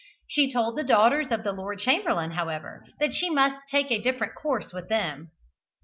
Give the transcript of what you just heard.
She told the daughters of the Lord Chamberlain, however, that she must take a different course with them.